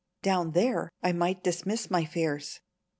Down there I might dismiss my fears.